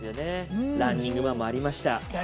ランニングマンもありました。